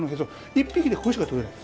一匹でこれしか取れない。